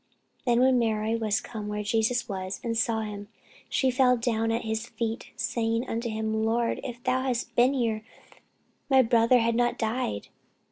Then when Mary was come where Jesus was, and saw him, she fell down at his feet, saying unto him, Lord, if thou hadst been here, my brother had not died.